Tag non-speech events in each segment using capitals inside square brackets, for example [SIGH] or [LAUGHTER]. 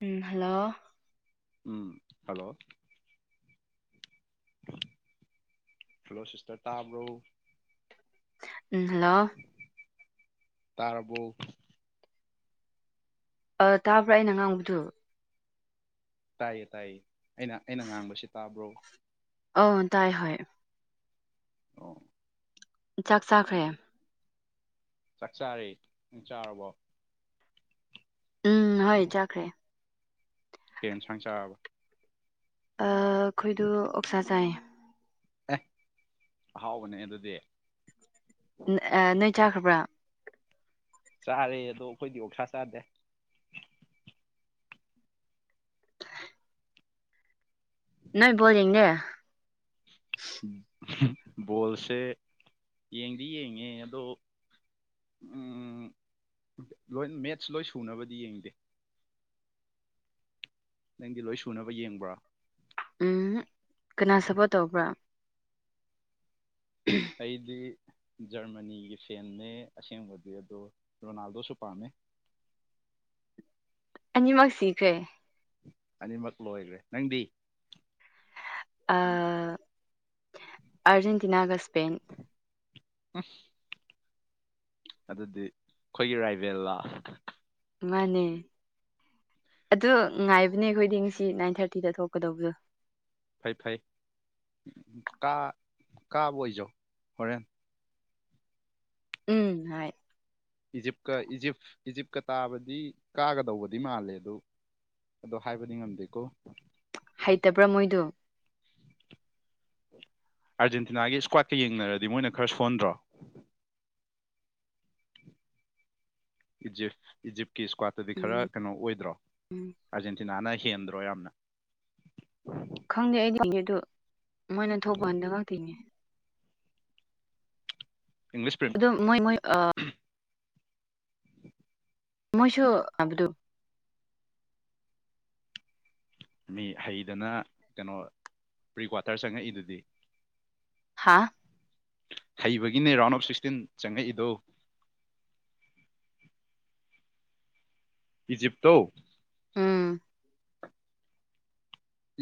ꯎꯝ hello ꯎꯝ hello hello sister ꯇꯥꯕ꯭ꯔꯣ ꯎꯝ hello ꯇꯥꯔꯕꯣ ꯑꯥ ꯇꯥꯕ꯭ꯔꯥ ꯑꯩꯅ ꯉꯥꯡꯕꯗꯨ ꯇꯥꯏꯌꯦ ꯇꯥꯏꯌꯦ ꯑꯩꯅ ꯑꯩꯅ ꯉꯥꯡꯕꯁꯤ ꯇꯥꯕ꯭ꯔꯣ ꯑꯣ ꯇꯥꯏ ꯍꯣꯏ ꯑꯣ ꯆꯥꯛ ꯆꯥꯈ꯭ꯔꯦ ꯆꯥꯛ ꯆꯥꯔꯤ ꯅꯪ ꯆꯥꯔꯕꯣ ꯎꯝ ꯍꯣꯏ ꯆꯥꯈ꯭ꯔꯦ ꯀꯩ ꯏꯟꯁꯥꯡ ꯆꯥꯔꯕ ꯑꯥ ꯑꯩꯈꯣꯏꯗꯨ ꯑꯣꯛꯁꯥ ꯆꯥꯏꯌꯦ ꯑꯦ ꯑꯍꯥꯎꯕꯅꯦ ꯍꯦ ꯑꯗꯨꯗꯤ ꯎꯝ ꯑꯥ ꯅꯣꯏ ꯆꯥꯈ꯭ꯔꯕ꯭ꯔꯥ ꯆꯥꯔꯦ ꯑꯗꯣ ꯑꯩꯈꯣꯏꯗꯤ ꯑꯣꯛꯁꯥ ꯆꯥꯗꯦ ꯅꯣꯏ ꯕꯣꯜ ꯌꯦꯡꯗꯦ ꯕꯣꯜꯁꯦ ꯌꯦꯡꯗꯤ ꯌꯦꯡꯉꯦ ꯑꯗꯣ ꯎꯝ ꯂꯣꯏ ꯃꯦꯠꯁ ꯂꯣꯏ ꯁꯨꯅꯕꯗꯤ ꯌꯦꯡꯗꯦ ꯅꯪꯗꯤ ꯂꯣꯏ ꯁꯨꯅꯕ ꯌꯦꯡꯕ꯭ꯔꯥ ꯎꯝ ꯀꯅꯥ ꯁꯞꯄꯣꯔꯠ ꯇꯧꯕ꯭ꯔꯥ ꯑꯩꯗꯤ ꯖꯔꯃꯅꯤꯒꯤ ꯐꯦꯟꯅꯦ ꯑꯁꯦꯡꯕꯗꯤ ꯑꯗꯣ ꯔꯣꯅꯥꯜꯗꯣꯁꯨ ꯄꯥꯝꯃꯦ ꯑꯅꯤꯃꯛ ꯁꯤꯈ꯭ꯔꯦ ꯑꯅꯤꯃꯛ ꯂꯣꯏꯒ꯭ꯔꯦ ꯅꯪꯗꯤ ꯑ ꯑꯔꯖꯦꯟꯇꯤꯅꯥ ꯒ ꯁ꯭ꯄꯦꯟ ꯎꯝ ꯑꯗꯨꯗꯤ ꯑꯩꯈꯣꯏꯒꯤ ꯔꯥꯏꯕꯦꯜꯂꯥ ꯃꯥꯟꯅꯦ ꯑꯗꯨ ꯉꯥꯏꯕꯅꯦ ꯑꯩꯈꯣꯏꯗꯤ ꯉꯁꯤ ꯅꯥꯏꯟ ꯊꯥꯔꯇꯤꯗ ꯊꯣꯛꯀꯗꯧꯕꯗꯣ ꯐꯩ ꯐꯩ ꯀꯥ ꯀꯥꯕꯥ ꯑꯣꯏꯖꯧ ꯍꯣꯔꯦꯟ ꯎꯝ ꯍꯣꯏ ꯏꯖꯤꯞꯀ ꯏꯖꯤꯞ ꯏꯖꯤꯞꯀ ꯇꯥꯕꯗꯤ ꯀꯥꯒꯗꯧꯕꯗꯤ ꯃꯥꯜꯂꯦ ꯑꯗꯨ ꯑꯗꯣ ꯍꯥꯏꯕꯗꯤ ꯉꯝꯗꯦꯀꯣ ꯍꯩꯇꯕ꯭ꯔꯥ ꯃꯣꯏꯗꯨ ꯑꯥꯔꯖꯦꯟꯇꯤꯅꯥꯒꯤ ꯏꯁꯀ꯭ꯋꯥꯠꯀ ꯌꯦꯡꯅꯔꯗꯤ ꯃꯣꯏꯅ ꯈꯔ ꯁꯣꯟꯗ꯭ꯔꯣ ꯏꯖꯤꯞ ꯏꯖꯤꯞꯀꯤ ꯏꯁꯀ꯭ꯋꯥꯠꯇꯗꯤ ꯈꯔ ꯎꯝ ꯀꯩꯅꯣ ꯑꯣꯏꯗ꯭ꯔꯣ ꯎꯝ ꯑꯥꯔꯖꯦꯟꯇꯤꯅꯥꯅ ꯍꯦꯟꯗ꯭ꯔꯣ ꯌꯥꯝꯅ [UNINTELLIGIBLE] ꯈꯪꯗꯦ ꯑꯩꯗꯤ ꯌꯦꯡꯗꯦ ꯑꯗꯨ ꯃꯣꯏꯅ ꯊꯣꯛꯄ ꯀꯥꯟꯗ ꯈꯛꯇ ꯌꯦꯡꯉꯦ ꯏꯪꯂꯤꯁ ꯄ꯭ꯔꯤꯝ ꯑꯗꯨ ꯃꯣꯏ ꯃꯣꯏ ꯑ ꯃꯣꯏꯁꯨ ꯑꯕꯗꯨꯨ ꯃꯤ ꯍꯩꯗꯅ ꯀꯩꯅꯣ ꯄ꯭ꯔꯤꯀ꯭ꯋꯥꯇꯔ ꯆꯪꯉꯛꯏꯗꯨꯗꯤ ꯍꯥꯥ ꯍꯩꯕꯒꯤꯅꯦ ꯔꯥꯎꯟ ꯑꯣꯐ ꯁꯤꯛꯁꯇꯤꯟ ꯆꯪꯉꯛꯏꯗꯣ [UNINTELLIGIBLE] [INAUDIBLE] ꯏꯖꯤꯞꯇꯣ ꯎꯝ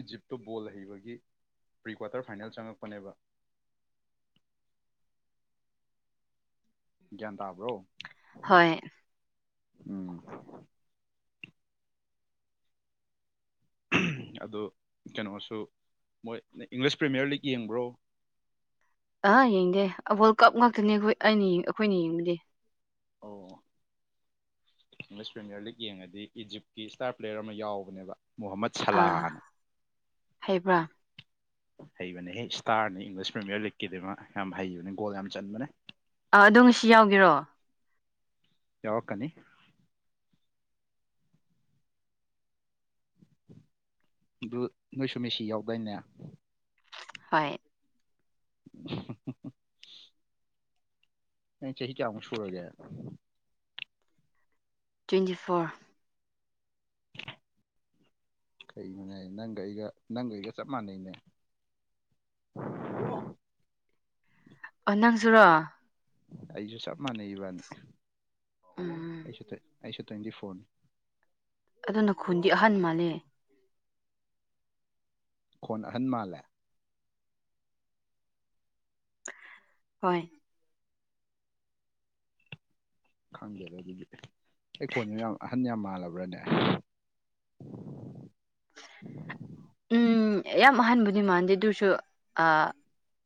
ꯏꯖꯤꯞꯇꯣ ꯕꯣꯜ ꯍꯩꯕꯒꯤ ꯄ꯭ꯔꯤꯀ꯭ꯋꯥꯇꯔ ꯐꯥꯏꯅꯦꯜ ꯆꯪꯉꯛꯄꯅꯦꯕ [UNINTELLIGIBLE] [INAUDIBLE] ꯒ꯭ꯌꯥꯟ ꯇꯥꯕ꯭ꯔꯣ ꯍꯣꯏ ꯎꯝ ꯑꯗꯨ ꯀꯩꯅꯣꯁꯨ ꯃꯣꯏ ꯏꯪꯂꯤꯁ ꯄ꯭ꯔꯤꯃꯤꯌꯔ ꯂꯤꯒ ꯌꯦꯡꯕ꯭ꯔꯣ ꯑꯍ ꯌꯦꯡꯗꯦ ꯋꯥꯜ ꯀꯞ ꯉꯥꯛꯇꯅꯦ ꯑꯩꯈꯣꯏ ꯑꯩꯅ ꯑꯩꯈꯣꯏꯅ ꯌꯦꯡꯕꯗꯤ [UNINTELLIGIBLE] ꯑꯣ ꯏꯪꯂꯤꯁ ꯄ꯭ꯔꯤꯃꯤꯌꯔ ꯂꯤꯒ ꯌꯦꯡꯉꯗꯤ ꯏꯖꯤꯞꯀꯤ ꯏꯁꯇꯥꯔ ꯄ꯭ꯂꯦꯌꯔ ꯑꯃ ꯌꯥꯎꯕꯅꯦꯕ ꯃꯣꯍꯥꯃꯠ ꯁꯂꯥ ꯑꯥ ꯅꯥ ꯍꯩꯕ꯭ꯔꯥ ꯍꯩꯕꯅꯦ ꯍꯦ ꯏꯁꯇꯥꯔꯅꯤ ꯏꯪꯂꯤꯁ ꯄ꯭ꯔꯤꯃꯤꯌꯔ ꯂꯤꯒꯀꯤꯗꯤ ꯃꯥ ꯌꯥꯝ ꯍꯩꯕꯅꯦ ꯒꯣꯜ ꯌꯥꯝ ꯆꯟꯕꯅꯦ ꯑ ꯑꯗꯣꯝꯁꯤ ꯌꯥꯎꯒꯦꯔꯣ ꯌꯥꯎ ꯔꯛ ꯀꯅꯤ ꯑꯗꯨ ꯅꯣꯏꯁꯨ ꯃꯦꯁꯤ ꯌꯥꯎꯗꯥꯏꯅꯦ ꯍꯣꯏ [UNINTELLIGIBLE] ꯅꯪ ꯆꯦꯍꯤ ꯀꯌꯃꯨꯛ ꯁꯨꯔꯒꯦ ꯇ꯭ꯋꯦꯟꯇꯤ ꯐꯣꯔ [INAUDIBLE] ꯀꯩꯅꯣꯅꯦꯩꯍꯥꯏꯁꯦ ꯅꯪꯒ ꯑꯩꯒ ꯅꯪꯒ ꯑꯩꯒ ꯆꯞ ꯃꯥꯟꯅꯩꯅꯦ ꯑꯣ [UNINTELLIGIBLE] ꯑꯥ ꯅꯪꯁꯨꯔꯣ ꯑꯩꯁꯨ ꯆꯞ ꯃꯥꯟꯅꯩ ꯏꯕꯅꯤ ꯎꯝ ꯑꯩꯁꯨ ꯑꯩꯁꯨ ꯇ꯭ꯋꯦꯟꯇꯤ ꯐꯣꯔꯅꯦ ꯑꯗꯨꯅ ꯈꯨꯟꯗꯤ ꯑꯍꯟ ꯃꯥꯜꯂꯦ ꯈꯣꯟ ꯑꯍꯟ ꯃꯥꯜꯂꯦ ꯍꯣꯏ ꯈꯪꯗꯦꯗ ꯑꯗꯨꯗꯤ ꯑꯩ ꯈꯣꯟꯖꯦ ꯌꯥꯝ ꯑꯍꯟ ꯌꯥꯝ ꯃꯥꯜꯂꯕ꯭ꯔꯅꯦ ꯎꯝ ꯌꯥꯝ ꯑꯍꯟꯕꯨꯗꯤ ꯃꯥꯟꯗꯦ ꯑꯗꯨꯁꯨ ꯑꯥ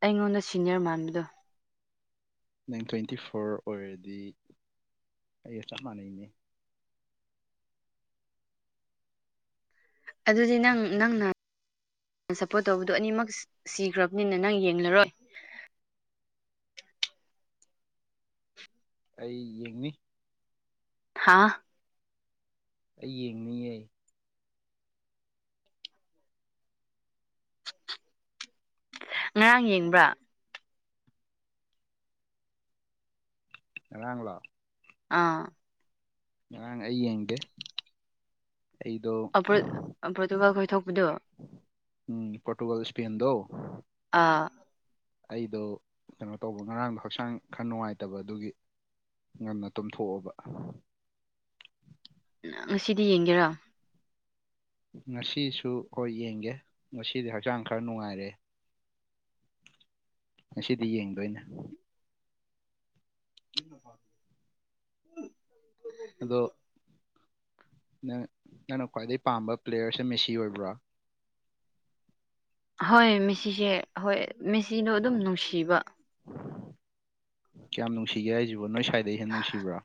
ꯑꯩꯉꯣꯟꯗ ꯁꯤꯅꯤꯌꯔ ꯃꯥꯟꯕꯗꯣ ꯅꯪ ꯇ꯭ꯋꯦꯟꯇꯤ ꯐꯣꯔ ꯑꯣꯏꯔꯗꯤ ꯑꯩꯒ ꯆꯞ ꯃꯅꯩꯅꯦ ꯑꯗꯨꯗꯤ ꯅꯪ ꯅꯪꯅ ꯁꯞꯄꯣꯠ ꯇꯧꯕꯗꯨ ꯑꯅꯤꯃꯛ ꯁꯤꯈ꯭ꯔꯕꯅꯤꯅ ꯅꯪ ꯌꯦꯡꯂꯔꯣꯏ ꯑꯩ ꯌꯦꯡꯅꯤ ꯍꯥꯥ ꯑꯩ ꯌꯦꯡꯅꯤꯡꯌꯦ ꯉꯔꯥꯡ ꯌꯦꯡꯕ꯭ꯔꯥ ꯪꯉꯔꯥꯡ ꯂꯣ ꯑꯥ ꯉꯔꯥꯡ ꯑꯩ ꯌꯦꯡꯗꯦ ꯑꯩꯗꯣ ꯑꯕ꯭ꯔꯣꯠ ꯑꯕ꯭ꯔꯣꯠ ꯗꯨꯕꯥ ꯈꯣꯏ ꯊꯣꯛꯄꯗꯣ ꯎꯝ ꯄꯣꯔꯇꯨꯒꯜ ꯏꯁꯄꯦꯟꯗꯣ ꯑꯥ ꯑꯩꯗꯣ ꯀꯩꯅꯣ ꯇꯧꯕ ꯉꯔꯥꯡꯗꯣ ꯍꯛꯆꯥꯡ ꯈꯔ ꯅꯨꯡꯉꯥꯏꯇꯕ ꯑꯗꯨꯒꯤ ꯉꯟꯅ ꯇꯨꯝꯊꯣꯛꯑꯕ [INAUDIBLE] ꯉꯁꯤꯗꯤ ꯌꯦꯡꯒꯦꯔꯥ ꯉꯁꯤꯁꯨ ꯈꯣꯏ ꯌꯦꯡꯒꯦ ꯉꯁꯤꯗꯤ ꯍꯛꯆꯥꯡ ꯈꯔ ꯅꯨꯡꯉꯥꯏꯔꯦ ꯉꯁꯤꯗꯤ ꯌꯦꯡꯗꯣꯏꯅꯦ ꯀ [UNINTELLIGIBLE] ꯑꯗꯣ ꯅꯪ ꯅꯪꯅ ꯈ꯭ꯋꯥꯏꯗꯩ ꯄꯥꯝꯕ ꯄ꯭ꯂꯦꯌꯔꯁꯦ ꯃꯦꯁꯤ ꯑꯣꯏꯕ꯭ꯔꯣ ꯍꯣꯏ ꯃꯦꯁꯤꯁꯦ ꯍꯣꯏ ꯃꯦꯁꯤꯗꯣ ꯑꯗꯨꯝ ꯅꯨꯡꯁꯤꯕ ꯀꯌꯥꯝ ꯅꯨꯡꯁꯤꯒꯦ ꯍꯥꯏꯁꯤꯕꯣ ꯅꯣꯏ ꯁ꯭ꯏꯗꯩ ꯍꯦꯟꯅ ꯅꯨꯡꯁꯤꯕ꯭ꯔꯣ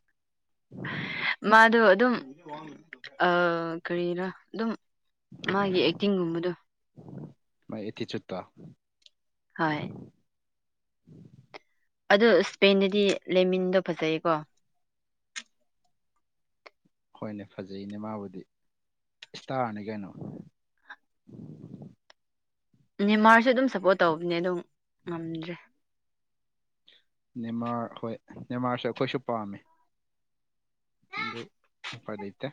ꯃꯥꯗꯣ ꯑꯗꯨꯝ ꯑꯥ ꯀꯔꯤꯔꯥ ꯑꯗꯨꯝ ꯃꯥꯒꯤ ꯑꯦꯛꯇꯤꯡꯒꯨꯝꯕꯗꯣ ꯃꯏ ꯑꯦꯇꯤꯆꯨꯠꯇꯣ ꯍꯣꯏ ꯎꯝ [INAUDIBLE] ꯑꯗꯣ ꯏꯁꯄꯦꯟꯗꯗꯤ ꯂꯦꯃꯤꯟꯗꯣ ꯐꯖꯩꯀꯣ ꯍꯣꯏꯅꯦ ꯐꯖꯩꯅꯦ ꯃꯕꯨꯗꯤ ꯏꯁꯇꯥꯔꯅꯤ ꯀꯩꯅꯣ ꯃꯦꯝꯃꯥꯔꯁꯨ ꯑꯗꯨꯝ ꯁꯞꯄꯣꯔꯠ ꯇꯧꯕꯅꯦ ꯑꯗꯨꯝ ꯉꯝꯗ꯭ꯔꯦ ꯅꯦꯃꯥꯔ ꯍꯣꯏ ꯅꯦꯃꯥꯔꯁꯨ ꯑꯩꯈꯣꯏꯁꯨ ꯄꯝꯃꯦ ꯑꯗꯨ ꯎꯄꯏ ꯂꯩꯇꯦ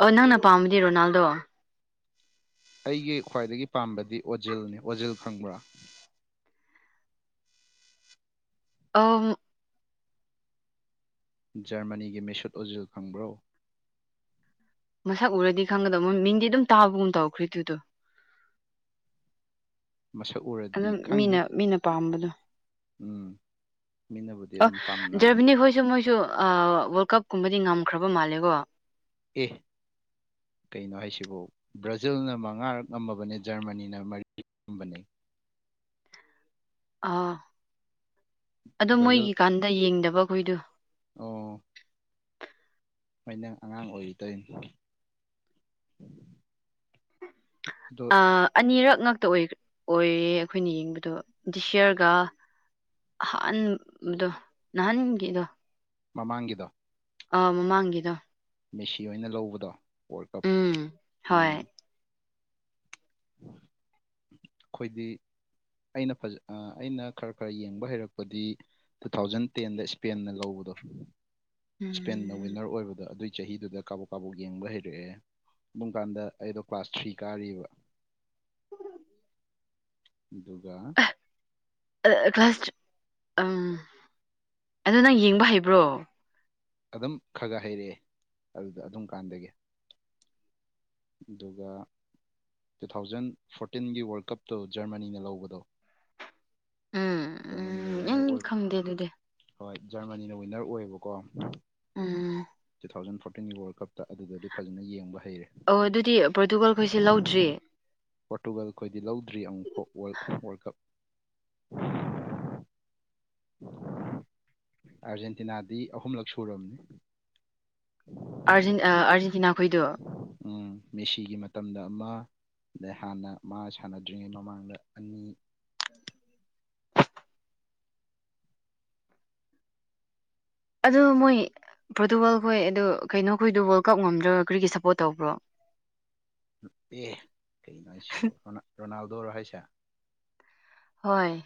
ꯑꯣ ꯅꯪꯅ ꯄꯥꯝꯕꯗꯤ ꯔꯣꯅꯜꯗꯣ ꯑꯩꯒꯤ ꯈ꯭ꯋꯥꯏꯗꯒꯤ ꯄꯥꯝꯕꯗꯤ ꯑꯣꯖꯤꯜꯅꯤ ꯑꯣꯖꯤꯜ ꯈꯪꯕ꯭ꯔꯥ ꯑ ꯖꯔꯃꯅꯤꯒꯤ ꯃꯤ ꯁꯣꯠ ꯑꯣꯖꯤꯜ ꯈꯪꯕ꯭ꯔꯣ ꯃꯁꯛ ꯎꯔꯗꯤ ꯈꯪꯒꯗꯕ ꯃꯤꯡꯗꯤ ꯑꯗꯨꯝ ꯇꯥꯕꯒꯨꯝ ꯇꯧꯈ꯭ꯔꯦꯑꯗꯨꯗꯣ ꯃꯁꯛ ꯎꯔꯗꯤ ꯑꯗꯨꯝ ꯈꯪꯅꯤ ꯃꯤꯅ ꯃꯤꯅ ꯄꯥꯝꯕꯗꯣ ꯎꯝ ꯃꯤꯅꯕꯨꯗꯤ ꯑ ꯑꯗꯨꯝ ꯄꯥꯝꯅꯕꯅꯦ ꯖꯔꯃꯅꯤ ꯍꯣꯏꯁꯨ ꯃꯣꯏꯁꯨ ꯋꯥꯔ ꯀꯞ ꯀꯨꯝꯕ ꯗꯤ ꯉꯝꯈ꯭ꯔꯕ ꯃꯥꯜꯂꯦꯀꯣ ꯑꯦ ꯀꯩꯅꯣ ꯍꯥꯏꯁꯤꯕꯨ ꯕ꯭ꯔꯥꯖꯤꯜꯅ ꯃꯉꯥꯔꯛ ꯉꯝꯃꯕꯅꯦ ꯖꯔꯃꯅꯤꯅ ꯃꯔꯤ [UNINTELLIGIBLE] ꯑꯥ ꯑꯗꯣ ꯕ꯭ꯔꯥꯖꯤꯜ ꯃꯣꯏꯒꯤꯀꯥꯟꯗ ꯌꯦꯡꯗꯕ ꯑꯩꯈꯣꯏꯗꯨ ꯑꯣ ꯍꯣꯏꯗ ꯑꯉꯥꯡ ꯑꯣꯏꯔꯤ ꯇꯧꯅꯤ ꯑ ꯑꯅꯤꯔꯛ ꯉꯛꯇ ꯑꯣꯏꯌꯦ ꯑꯩꯈꯣꯏꯅ ꯌꯦꯡꯕꯗꯣ ꯗꯤꯁꯤꯌꯔꯒ ꯑꯍꯟꯕꯗꯣ ꯅꯍꯥꯟꯒꯤꯗꯣ ꯃꯃꯥꯡꯒꯤꯗꯣ ꯑꯥ ꯃꯃꯥꯡꯒꯤꯗꯣ ꯃꯦꯁꯤ ꯑꯣꯏꯅ ꯂꯧꯕꯗꯣ ꯋꯥꯔꯜ ꯀꯞ ꯎꯝ ꯍꯣꯏ ꯎꯝ [INAUDIBLE] ꯑꯩꯈꯣꯏꯗꯤ ꯑꯩꯅ ꯐꯖ ꯑꯩꯅ ꯈꯔ ꯈꯔ ꯌꯦꯡꯕ ꯍꯩꯔꯛꯄꯗꯤ ꯇꯨ ꯊꯥꯎꯖꯟ ꯇꯦꯟꯗ ꯏꯁꯄꯦꯟꯅ ꯂꯧꯕꯗꯣ ꯏꯁꯄꯦꯟꯅ ꯎꯝ ꯋꯤꯟꯅꯔ ꯑꯣꯏꯕꯗꯣ ꯑꯗꯨꯏ ꯆꯍꯤꯗꯨꯗ ꯀꯥꯕꯣꯛ ꯀꯥꯕꯣꯛ ꯌꯦꯡꯕ ꯍꯩꯔꯛꯑꯦ ꯑꯗꯨꯝ ꯀꯥꯟꯗ ꯑꯩꯗꯣ ꯀ꯭ꯂꯥꯁ ꯊ꯭ꯔꯤ ꯀꯥꯔꯤꯕ ꯑꯗꯨꯒꯥ ꯀ꯭ꯂꯥꯁ ꯎꯝ ꯑꯣꯗꯣ ꯅꯪ ꯌꯦꯡꯕ ꯍꯩꯕ꯭ꯔꯣ ꯑꯗꯨꯝ ꯈꯔ ꯈꯔ ꯍꯩꯔꯛꯑꯦ ꯑꯗꯨꯗ ꯑꯗꯨꯝ ꯀꯥꯟꯗꯒꯤ ꯑꯗꯨꯒ ꯇꯨ ꯊꯥꯎꯖꯟ ꯐꯣꯔꯇꯤꯟꯒꯤ ꯋꯥꯔꯜ ꯀꯞꯇꯨ ꯖꯔꯃꯅꯤꯅ ꯂꯧꯕꯗꯣ ꯎꯝ ꯖꯔꯃꯅꯤꯅ ꯎꯝ ꯋꯤꯟꯅꯔ ꯅꯪ ꯑꯣꯏꯕ ꯈꯪꯗꯦ ꯑꯗꯨꯗꯤ ꯍꯣꯏ ꯖꯔꯃꯅꯤꯅ ꯋꯤꯟꯅꯔ ꯑꯣꯏꯌꯦꯕꯀꯣ ꯎꯝ ꯇꯨ ꯊꯥꯎꯖꯟ ꯐꯣꯔꯇꯤꯟꯒꯤ ꯋꯥꯔꯜ ꯀꯞꯇ ꯑꯗꯨꯗꯗꯤ ꯐꯖꯅ ꯌꯦꯡꯕ ꯍꯩꯔꯦ ꯍꯣꯏ ꯑꯗꯨꯗꯤ ꯄꯣꯔꯇꯨꯒꯜꯈꯣꯏꯁꯦ ꯂꯧꯗꯦ ꯄꯣꯔꯇꯨꯒꯜ ꯑꯩꯈꯣꯏꯗꯤ ꯂꯧꯗ꯭ꯔꯤ ꯑꯃꯨꯛꯐꯥꯎꯔ ꯋꯥꯔꯜ ꯀꯞ [UNINTELLIGIBLE] [UNINTELLIGIBLE] ꯑꯥꯔꯖꯦꯟꯇꯤꯅꯥꯗꯤ ꯑꯍꯨꯝꯂꯛ ꯁꯨꯔꯕꯅꯤ ꯑꯔꯖꯟ ꯑ ꯑꯔꯖꯦꯟꯇꯤꯅꯥ ꯈꯣꯏꯗꯣ ꯎꯝ ꯃꯦꯁꯤꯒꯤ ꯃꯇꯝꯗ ꯑꯃ ꯑꯗꯩ ꯍꯥꯟꯅ ꯃꯥ ꯁꯥꯟꯅꯗ꯭ꯔꯤꯉꯩ ꯃꯃꯥꯡꯗ ꯑꯅꯤ [UNINTELLIGIBLE] ꯑꯗꯣ ꯃꯣꯏ ꯄ꯭ꯔꯣꯇꯨꯒꯜꯈꯣꯏ ꯑꯗꯨ ꯀꯩꯅꯣꯈꯣꯏꯗꯣ ꯋꯥꯋꯥꯔꯜ ꯀꯞ ꯉꯝꯗ꯭ꯔꯒ ꯀꯔꯤꯒꯤ ꯁꯞꯄꯣꯠ ꯇꯧꯕ꯭ꯔꯣ ꯑꯦ ꯀꯩꯅꯣ ꯍꯥꯏꯁꯤꯕꯨ ꯔꯣ ꯔꯣꯅꯥꯜꯗꯣꯔꯣ ꯍꯥꯏꯁꯦ ꯍꯣꯏ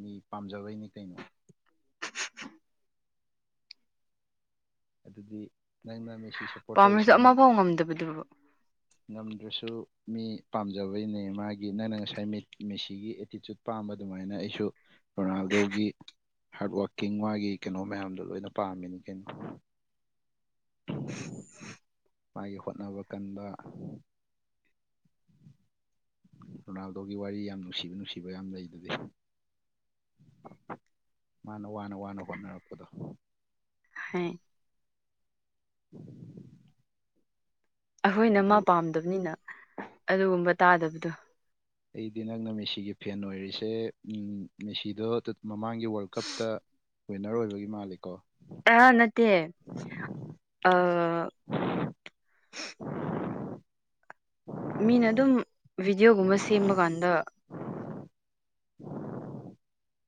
ꯃꯤ ꯄꯥꯝꯖꯕꯩꯅꯤ ꯀꯩꯅꯣ ꯑꯗꯨꯗꯤ ꯅꯪꯅ ꯃꯦꯁꯤ ꯁꯞꯄꯣꯔꯠ ꯇꯧꯔꯤꯁꯤ ꯄꯥꯝꯔꯁꯨ ꯑꯃꯐꯥꯎ ꯉꯝꯗꯕꯗꯨ ꯉꯝꯗ꯭ꯔꯁꯨ ꯃꯤ ꯄꯥꯝꯖꯕꯩꯅꯦ ꯃꯥꯒꯤ ꯅꯪꯅ ꯉꯁꯥꯏ ꯃꯦ ꯃꯦꯁꯤꯒꯤ ꯑꯦꯇꯤꯇ꯭ꯌꯨꯠ ꯄꯥꯝ ꯑꯗꯨꯃꯥꯏꯅ ꯑꯩꯁꯨ ꯔꯣꯅꯥꯜꯗꯣꯒꯤ ꯍꯥ꯭ꯔꯠ ꯋꯥ꯭ꯔꯀꯤꯡ ꯃꯥꯒꯤ ꯀꯅꯣ ꯃꯌꯥꯝꯗꯣ ꯂꯣꯏꯅ ꯄꯥꯝꯃꯤꯅꯤ ꯀꯩꯅꯣ ꯃꯥꯒꯤ ꯍꯣꯠꯅꯕ ꯀꯟꯕ ꯔꯣꯅꯥꯜꯗꯣꯒꯤ ꯋꯥꯔꯤ ꯌꯥꯝ ꯅꯨꯡꯁꯤꯕ ꯅꯨꯡꯁꯤꯕ ꯌꯥꯝ ꯂꯩ ꯗꯨꯗꯤ ꯃꯥꯅ ꯋꯥꯅ ꯋꯥꯅ ꯍꯣꯠꯅꯔꯛꯄꯗꯣ ꯍꯩ [INAUDIBLE] ꯑꯈꯣꯏꯅ ꯃꯥ ꯑꯗꯨ ꯄꯥꯝꯗ꯭ꯕꯅꯤꯅ ꯑꯗꯨꯒꯨꯝꯕ ꯇꯥꯗꯕꯗꯨ ꯑꯩꯗꯤ ꯅꯪꯅ ꯃꯦꯁꯤꯒꯤ ꯐꯦꯟ ꯑꯣꯏꯔꯤꯁꯦ ꯎꯝ ꯃꯦꯁꯤꯗꯣ ꯇꯨꯠ ꯑꯝ ꯃꯃꯥꯡꯒꯤ ꯋꯥ꯭ꯔꯜ ꯀꯞꯇ ꯋꯤꯟꯅ꯭ꯔ ꯑꯣꯏꯕꯒꯤ ꯃꯥꯜꯂꯤꯀꯣ ꯑꯥ ꯃꯤꯅ ꯑꯗꯨꯝ ꯚꯤꯗ꯭ꯌꯣ ꯒꯨꯝꯕ ꯁꯦꯝꯕꯒꯥꯟꯗ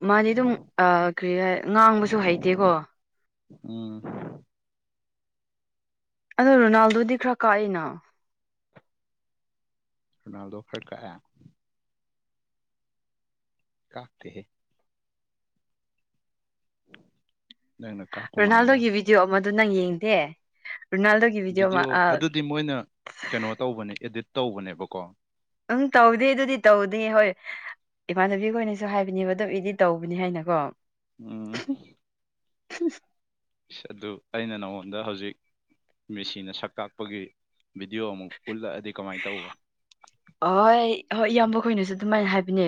ꯃꯥꯗꯤ ꯗꯨꯝ ꯑꯥ ꯀ꯭ꯔꯤꯔ ꯉꯥꯡꯕꯁꯨ ꯍꯩꯇꯦꯀꯣ ꯎꯝ ꯑꯗꯣ ꯔꯣꯅꯥꯜꯗꯣꯗꯤ ꯈꯔ ꯀꯥꯛꯏꯅ ꯔꯣꯅꯥꯜꯗꯣ ꯈ꯭ꯔ ꯀꯥꯛꯑꯦ ꯀꯥꯛꯇꯦꯍꯦ [INAUDIBLE] ꯀꯥꯛꯄ ꯃꯥꯟꯕ ꯔꯣꯅꯥꯜꯗꯣꯒꯤ ꯚꯤꯗ꯭ꯌꯣ ꯑꯃꯗꯨ ꯅꯪ ꯌꯦꯡꯗꯦ ꯔꯣꯅꯥꯜꯗꯣꯒꯤ ꯚꯤꯗꯤꯑꯣ ꯚꯤꯗ꯭ꯌꯣ ꯑꯃ ꯑꯗꯨꯗꯤ ꯃꯣꯏꯅ ꯀꯅꯣ ꯇꯧꯕꯅꯦ ꯏꯗꯤꯠ ꯇꯧꯕꯅꯦꯕꯀꯣ ꯎꯝ ꯇꯧꯗꯦ ꯑꯗꯨꯗꯤ ꯇꯧꯗꯦ ꯍꯣꯏ ꯏꯃꯥꯟꯅꯕꯤ ꯈꯣꯏꯅꯁꯨ ꯍꯥꯏꯕꯅꯦꯕ ꯇꯣ ꯏꯗꯤꯠ ꯇꯧꯕꯅꯤ ꯍꯥꯏꯅꯀꯣ ꯎꯝ [UNINTELLIGIBLE] ꯏ꯭ꯁ ꯑꯗꯨ ꯑꯩꯅ ꯅꯉꯣꯟꯗ ꯍꯧꯖꯤꯛ ꯃꯦꯁꯤꯅ ꯁꯛ ꯀꯥꯛꯄꯒꯤ ꯚꯤꯗ꯭ꯌꯣ ꯑꯃꯨꯛ ꯎꯠꯂꯛꯑꯗꯤ ꯀꯃꯥꯏ ꯇꯧꯕ ꯍꯣꯏ ꯍꯣꯏ ꯏꯌꯥꯝꯕ ꯈꯣꯏꯅꯁꯨ ꯑꯗꯨꯃꯥꯏꯟ ꯍꯥꯏꯕꯅꯦ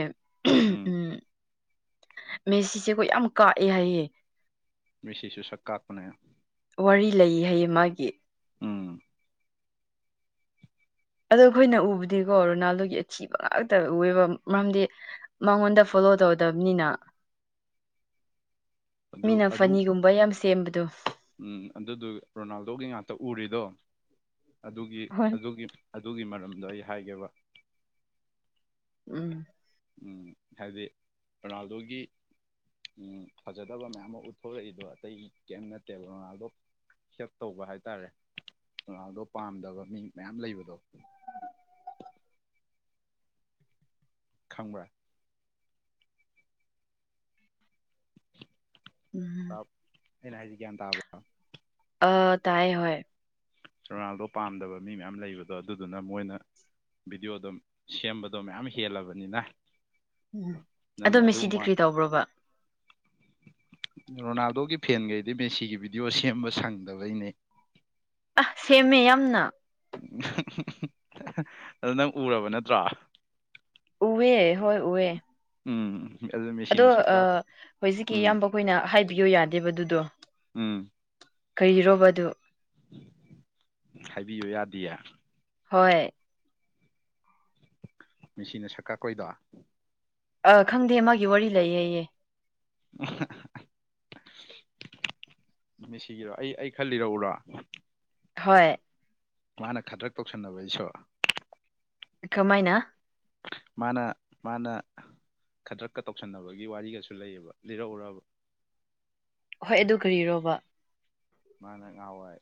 ꯎꯝ ꯃꯦꯁꯤꯁꯦꯀꯣ ꯌꯥꯝ ꯀꯥꯛꯑꯦ ꯍꯥꯏꯌꯦ ꯃꯦꯁꯤꯁꯨꯨ ꯁꯛ ꯀꯥꯛꯄꯅꯦ ꯋꯥꯔꯤ ꯂꯩ ꯍꯥꯏꯌꯦ ꯃꯥꯒꯤ ꯎꯝ ꯑꯗꯣ ꯑꯈꯣꯏꯅ ꯎꯕꯗꯤꯀꯣ ꯔꯣꯅꯥꯜꯗꯣꯒꯤ ꯑꯊꯤꯕ ꯉꯥꯛꯇ ꯎꯑꯦꯕ ꯃꯔꯝꯗꯤ ꯃꯉꯣꯟꯗ ꯐꯣꯠ ꯗꯣ ꯇꯧꯗꯝꯅꯤꯅ ꯑꯗꯨ ꯃꯤꯅ ꯑꯗꯨ ꯐꯅꯤꯒꯨꯝꯕ ꯌꯥꯝ ꯁꯦꯝꯕꯗꯨ ꯎꯝ ꯑꯗꯨꯗꯨ ꯔꯣꯅꯥꯜꯗꯣꯒꯤ ꯉꯥꯛꯇ ꯎꯔꯤꯗꯣ ꯑꯗꯨꯒꯤ ꯍꯣꯏ ꯑꯗꯨꯒꯤ ꯑꯗꯨꯒꯤ ꯃꯔꯝꯗꯣ ꯑꯩ ꯍꯥꯏꯒꯦꯕ ꯎꯝ ꯎꯝ ꯍꯥꯏꯗꯤ ꯔꯣꯅꯥꯜꯗꯣꯒꯤ ꯎꯝ ꯐꯖꯗꯕ ꯃꯌꯥꯝꯃ ꯎꯠꯊꯣꯔꯛꯏꯗꯣ ꯑꯇꯩꯒꯤ ꯀꯩꯝ ꯅꯠꯇꯦꯕ ꯔꯣꯅꯥꯜꯗꯣ ꯍꯦꯠ ꯇꯧꯕ ꯍꯥꯏꯇꯥꯔꯦ ꯔꯣꯅꯥꯜꯗꯣ ꯄꯥꯝꯗꯕ ꯃꯤ ꯃꯌꯥꯝ ꯂꯩꯕꯗꯣ ꯈꯪꯕ꯭ꯔꯥ ꯇꯥ ꯎꯝ ꯑꯩꯅ ꯍꯥꯏꯁꯦ ꯒ꯭ꯌꯥꯟ ꯇꯥꯕ꯭ꯔꯣ ꯑ ꯇꯥꯏꯌꯦ ꯍꯣꯏ ꯔꯣꯅꯥꯜꯗꯣ ꯄꯥꯝꯗꯕ ꯃꯤ ꯃꯌꯥꯝ ꯂꯩꯕꯗꯣ ꯑꯗꯨꯗꯨꯅ ꯃꯣꯏꯅ ꯚꯤꯗ꯭ꯌꯣ ꯗꯣ ꯁꯦꯝꯕꯗꯣ ꯃꯌꯥꯝ ꯍꯦꯜꯂꯕꯅꯤꯅ ꯎꯝ ꯑꯗꯣ ꯅꯪꯅ ꯃꯦꯁꯤꯗꯤ ꯑꯗꯨꯒꯨꯝꯕ ꯀꯔꯤ ꯇꯧꯕ꯭ꯔꯣꯕ ꯔꯣꯅꯥꯜꯗꯣꯒꯤ ꯐꯦꯟꯒꯩꯗꯤ ꯃꯦꯁꯤꯒꯤ ꯚꯤꯗꯤꯑꯣ ꯁꯦꯝꯕ ꯁꯪꯗꯕꯩꯅꯦ ꯑꯥ ꯁꯦꯝꯃꯦ ꯌꯥꯝꯅ ꯍꯥꯍꯥꯍꯥ ꯑꯗꯨ ꯅꯪ ꯎꯔꯕ ꯅꯠꯇ꯭ꯔꯣ ꯎꯋꯦ ꯍꯣꯏ ꯎꯋꯦ ꯎꯝ ꯑꯗꯨ ꯑꯗꯣ ꯃꯦꯁꯤꯅ ꯁꯛꯀꯥ ꯑꯥ ꯍꯧꯖꯤꯛꯀꯤ ꯎꯝ ꯏꯌꯥꯝꯕ ꯈꯣꯏꯅ ꯍꯥꯏꯕꯤꯌꯣ ꯌꯥꯗꯦꯕ ꯑꯗꯨꯗꯣ ꯎꯝ ꯀꯩꯒꯤꯔꯣꯕꯗꯨ ꯍꯥꯏꯕꯤ ꯌꯥꯗꯤꯌꯦ ꯍꯣꯏ ꯃꯦꯁꯤꯅ ꯁꯛ ꯀꯥꯛꯄꯩꯗꯣ ꯑꯥ ꯈꯪꯗꯦ ꯃꯥꯒꯤ ꯋꯥꯔꯤ ꯂꯩ ꯑꯌꯦ ꯃꯦꯁꯤꯒꯤꯔꯣ ꯑꯩ ꯑꯩ ꯈꯔ ꯂꯤꯔꯛꯎꯔꯥ ꯍꯣꯏ ꯃꯥꯅ ꯈꯗ꯭ꯔꯛ ꯇꯧꯁꯟꯅꯕꯩꯁꯨ ꯀꯃꯥꯏꯅ ꯃꯥꯅ ꯃꯥꯅ ꯈꯗ꯭ꯔꯛꯀ ꯇꯧꯁꯟꯅꯕꯒꯤ ꯋꯥꯔꯤꯒꯁꯨ ꯂꯩꯌꯦꯕ ꯂꯤꯔꯛꯎꯔꯕ ꯍꯣꯏ ꯑꯗꯨ ꯀꯔꯤꯔꯣꯕ ꯃꯥꯅ ꯉꯍꯥꯟꯋꯥꯏ